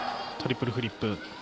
トリプルフリップ。